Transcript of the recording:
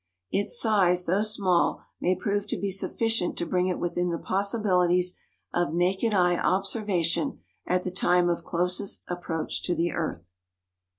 Its size, though small, may prove to be sufficient to bring it within the possibilities of naked eye observation at the time of closest approach to the earth.